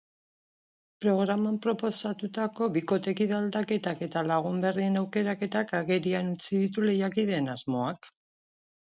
Programak proposatutako bikotekide aldaketak eta lagun berrien aukeraketak agerian utzi ditu lehiakideen asmoak.